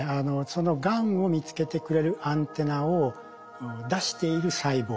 そのがんを見つけてくれるアンテナを出している細胞